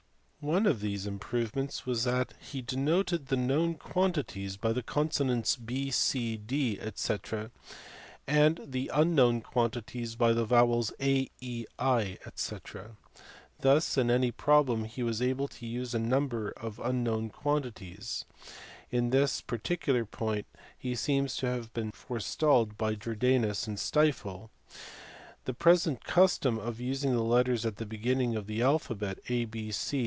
One of these improvements was that he denoted the known quantities by the consonants B, (7, D <fec. and the unknown quantities by the vowels A, E, I &c. Thus in any problem he was able to use a number of unknown quantities : in this particular point he seems to have been forestalled by Jordanus and by Stifel (see above, pp. 177, 220). The present custom of using the letters at the beginning of the alphabet a, 6, c &c.